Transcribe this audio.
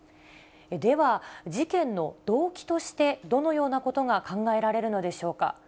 では、事件の動機として、どのようなことが考えられるのでしょうか。